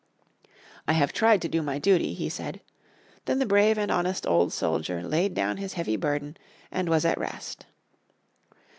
"I have tried to do my duty," he said. Then the brave and honest old soldier laid down his heavy burden and was at rest.